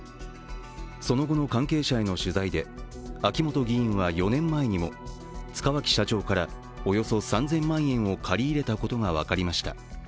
その後の関係者への取材で秋本議員は４年前にも塚脇社長からおよそ３０００万円を借り入れたことが分かりました。